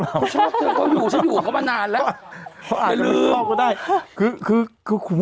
เหมือนเธอนะ